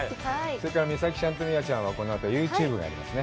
それから、美咲ちゃんと美和ちゃんは。このあと、ユーチューブがありますね。